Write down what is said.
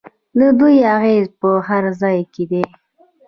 د دوی اغیز په هر ځای کې دی.